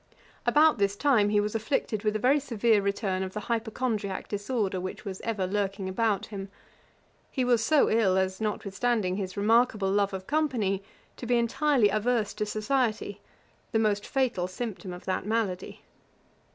About this time he was afflicted with a very severe return of the hypochondriack disorder, which was ever lurking about him. He was so ill, as, notwithstanding his remarkable love of company, to be entirely averse to society, the most fatal symptom of that malady.